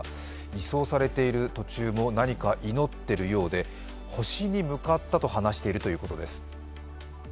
移送されている途中も、何か祈っているようで、星に向かったと話しているということです。